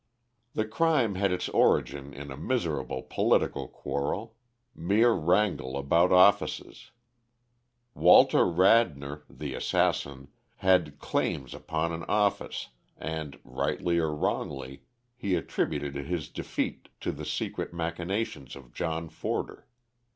The crime had its origin in a miserable political quarrel mere wrangle about offices. Walter Radnor, the assassin, had 'claims' upon an office, and, rightly or wrongly, he attributed his defeat to the secret machinations of John Forder.